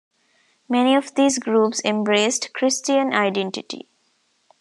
Many of these groups embraced Christian Identity.